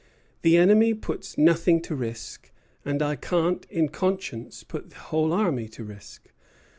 The enemy puts nothing to risk, and I can't in conscience put the whole army to risk.